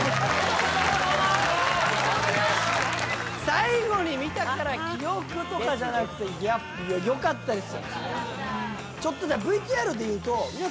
最後に見たから記憶とかじゃなくてよかったです。